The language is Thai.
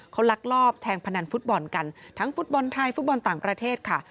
เขาลักลอบแทงพนันฟุตบอลกันทั้งฟุตบอลไทยฟุตบอลต่างประเทศค่ะ